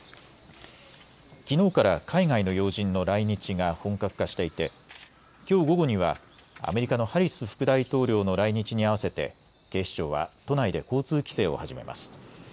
きのうから海外の要人の来日が本格化していて、きょう午後にはアメリカのハリス副大統領の来日に合わせて警視庁は都内で交通規制を始めます。